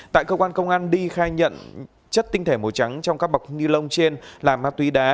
tại cơ quan công an đi khai nhận chất tinh thể màu trắng trong các bọc ni lông trên là ma túy đá